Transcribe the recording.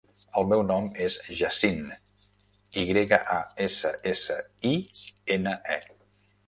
El meu nom és Yassine: i grega, a, essa, essa, i, ena, e.